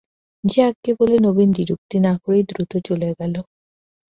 যে আজ্ঞে বলেই নবীন দ্বিরুক্তি না করেই দ্রুত চলে গেল।